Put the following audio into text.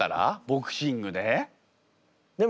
ボクシングで。